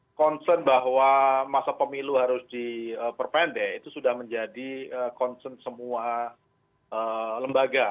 maksudnya konsen bahwa masa pemilu harus diperpendek itu sudah menjadi konsen semua lembaga